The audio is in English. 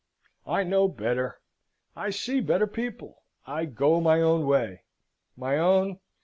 I know better: I see better people: I go my own way. My own?